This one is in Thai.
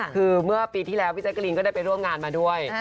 คือเมื่อปีที่แล้วพี่แจ๊กรีนก็ได้ไปร่วมงานมาด้วย